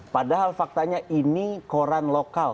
padahal faktanya ini koran lokal